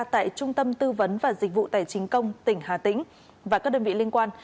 tại trung tâm tư vấn và dịch vụ tài chính công tỉnh hà tĩnh và các đơn vị liên quan